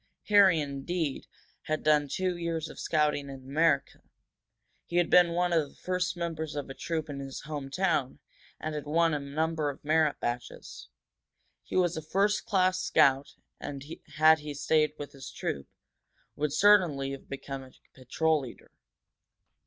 Harry, indeed, had done two years of scouting in America; he had been one of the first members of a troop in his home town, and had won a number of merit badges. He was a first class scout, and, had he stayed with his troop, would certainly have become a patrol leader.